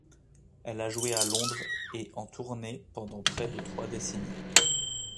Elle a joué à Londres et en tournée pendant près de trois décennies.